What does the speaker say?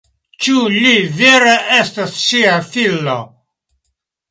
Ĉu li vere estas ŝia filo?